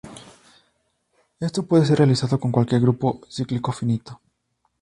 Esto puede ser realizado con cualquier grupo cíclico finito.